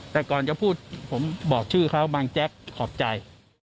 แต่ก่อนจะพูดผมบอกชื่อเขาบางแจ๊กขอบใจ